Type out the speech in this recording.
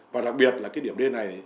và đặc biệt là điểm d này